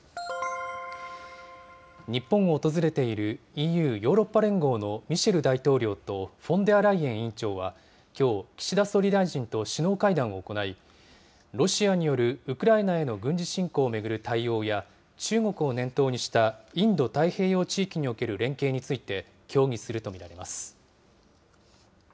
日本を訪れているＥＵ・ヨーロッパ連合のミシェル大統領とフォンデアライエン委員長は、きょう、岸田総理大臣と首脳会談を行い、ロシアによるウクライナへの軍事侵攻を巡る対応や、中国を念頭にしたインド太平洋地域における連携について、協議すると見られます。